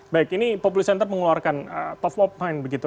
baik ini populis center mengeluarkan top of mind begitu